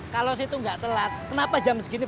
kasih laris laris laris